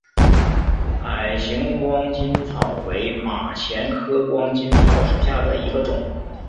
矮形光巾草为马钱科光巾草属下的一个种。